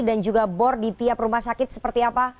dan juga bor di tiap rumah sakit seperti apa